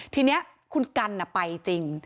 ทีนี้คุณกันไปจริง